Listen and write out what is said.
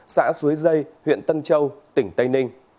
xã suối dây huyện tân châu tỉnh tây ninh